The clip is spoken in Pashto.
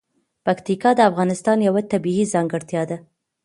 پکتیکا د افغانستان یوه طبیعي ځانګړتیا ده.